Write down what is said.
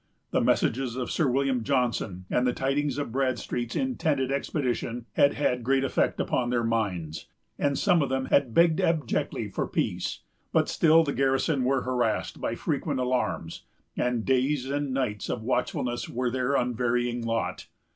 The messages of Sir William Johnson, and the tidings of Bradstreet's intended expedition, had had great effect upon their minds, and some of them had begged abjectly for peace; but still the garrison were harassed by frequent alarms, and days and nights of watchfulness were their unvarying lot.